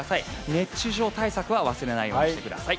熱中症対策は忘れないようにしてください。